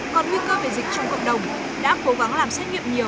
còn nguy cơ về dịch trong cộng đồng đã cố gắng làm xét nghiệm nhiều